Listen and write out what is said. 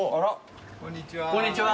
こんにちは。